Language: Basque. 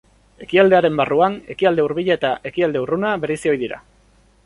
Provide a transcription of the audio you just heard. Ekialdearen barruan, Ekialde Hurbila eta Ekialde Urruna bereizi ohi dira.